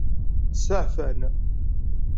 Steɛfan.